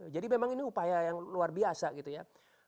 jadi memang ini upaya yang luar biasa gitu ya